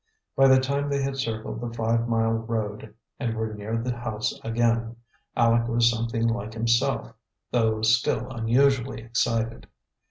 By the time they had circled the five mile road and were near the house again, Aleck was something like himself, though still unusually excited.